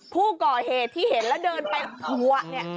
ผู้ก่อเหตุที่เห็นแล้วเดินไปผัวเนี่ย